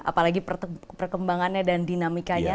apalagi perkembangannya dan dinamikanya